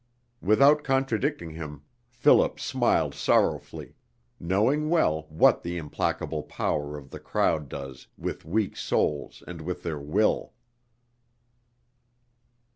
Without contradicting him, Philip smiled sorrowfully, knowing well what the implacable power of the crowd does with weak souls and with their will.